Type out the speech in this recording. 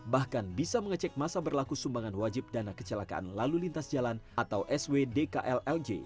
bahkan bisa mengecek masa berlaku sumbangan wajib dana kecelakaan lalu lintas jalan atau swdklj